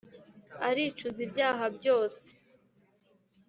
aricuza ibyaha byoseee ,